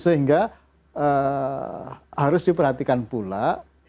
sehingga harus diperhatikan pula